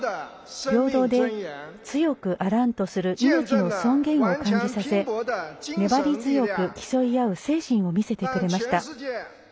平等で強くあらんとする命の尊厳を感じさせ粘り強く競い合う精神を見せてくれました。